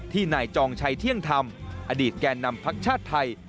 นายจองชัยเที่ยงธรรมอดีตแก่นำพักชาติไทย